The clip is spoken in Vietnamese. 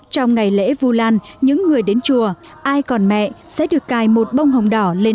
trong ngày lễ vu lan những người đến chùa ai còn mẹ sẽ được cài một bông hồng đỏ lên